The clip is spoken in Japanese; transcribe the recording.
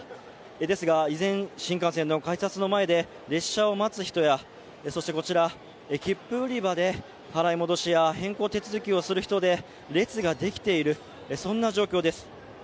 ですが依然、新幹線の改札の前で列車を待つ人や、こちら、切符売り場で払い戻しや変更手続きをする人で列ができている、そんな状況です。